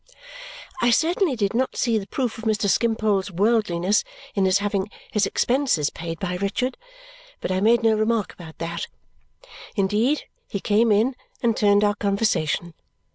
I certainly did not see the proof of Mr. Skimpole's worldliness in his having his expenses paid by Richard, but I made no remark about that. Indeed, he came in and turned our conversation.